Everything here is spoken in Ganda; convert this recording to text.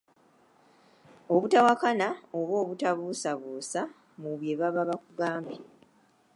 Obutawakana oba obutabuusabuusa mu bye baba bakugambye.